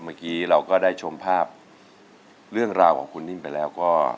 เมื่อกี้เราก็ได้ชมภาพเรื่องราวของคุณนิ่มไปแล้วก็